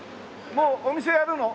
もうお店やるの？